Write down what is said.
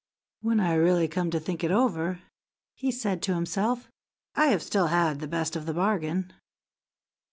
"When I really come to think it over," he said to himself, "I have still had the best of the bargain.